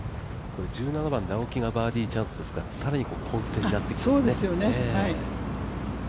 １７番、青木がバーディーチャンスですから更に混戦になってきます。